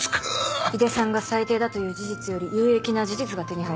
井出さんが最低だという事実より有益な事実が手に入りました。